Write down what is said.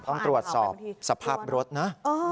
ต้องตรวจสอบสภาพรถนะ